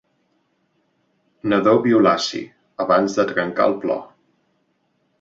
Nadó violaci, abans de trencar el plor.